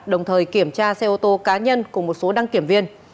đồng thời kiểm tra xe ô tô cá nhân cùng một số đăng kiểm viên